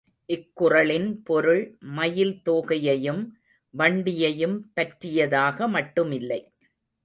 இக்குறளின் பொருள் மயில் தோகையையும் வண்டியையும் பற்றியதாக மட்டுமில்லை.